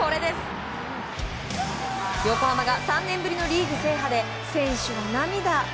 横浜が３年ぶりのリーグ制覇で選手も涙。